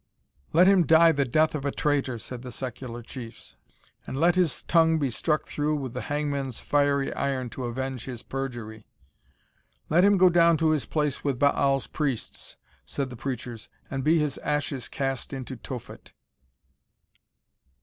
"Let him die the death of a traitor," said the secular chiefs, "and let his tongue be struck through with the hangman's fiery iron to avenge his perjury!" "Let him go down to his place with Baal's priests," said the preachers, "and be his ashes cast into Tophet!"